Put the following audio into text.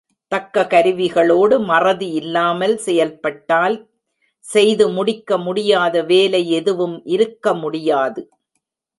தக்க கருவிகளோடு மறதி இல்லாமல் செயல்பட்டால் செய்து முடிக்க முடியாத வேலை எதுவும் இருக்க முடியாது.